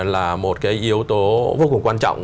là một cái yếu tố vô cùng quan trọng